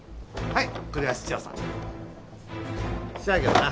はい。